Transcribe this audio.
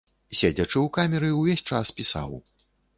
Седзячы ў камеры, увесь час пісаў.